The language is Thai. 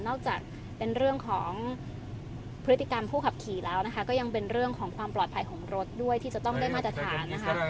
จากเป็นเรื่องของพฤติกรรมผู้ขับขี่แล้วนะคะก็ยังเป็นเรื่องของความปลอดภัยของรถด้วยที่จะต้องได้มาตรฐานนะคะ